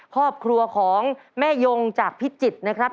ครอบครัวของแม่ยงจากพิจิตรนะครับ